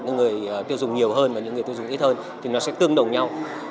những người tiêu dùng nhiều hơn và những người tiêu dùng ít hơn thì nó sẽ tương đồng nhau